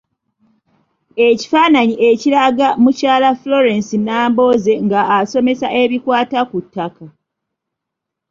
Ekifaananyi ekiraga mukyala Florence Nambooze nga asomesa ebikwata ku ttaka.